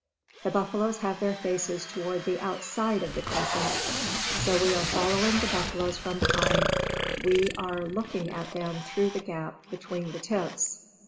The buffaloes have their faces toward the outside of the crescent. So, as we are following the buffaloes from behind, we are looking at them through the gap between the tips.